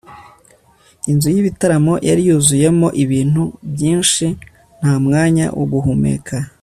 inzu y'ibitaramo yari yuzuyemo ibintu byinshi nta mwanya wo guhumeka